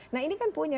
nah ini kan punya